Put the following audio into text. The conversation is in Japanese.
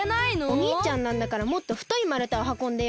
おにいちゃんなんだからもっとふといまるたをはこんでよ！